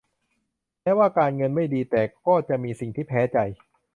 แม้ว่าการเงินไม่ดีแต่ก็จะมีสิ่งที่แพ้ใจ